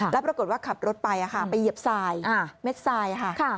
แล้วปรากฏว่าขับรถไปไปเหยียบทรายเม็ดทรายค่ะ